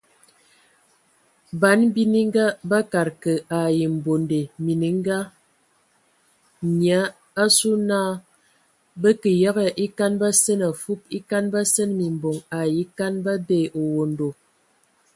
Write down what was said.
Ban bininga bakad kə ai mbonde mininga (nyia) asu na bə yəgə e kan basene afub e kan basen mimboŋ ai e kan babƐ owondo.